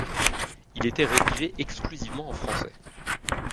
Il était rédigé exclusivement en français.